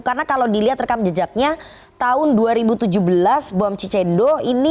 karena kalau dilihat di rekam jejaknya tahun dua ribu tujuh belas bom chicendo